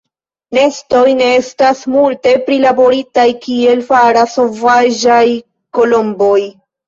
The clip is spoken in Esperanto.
Nestoj ne estas multe prilaboritaj kiel faras sovaĝaj kolomboj.